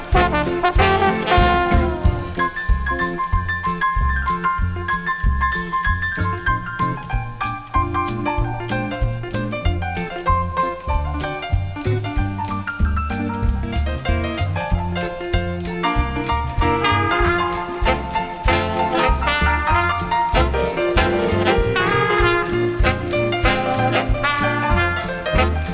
สวัสดีครับ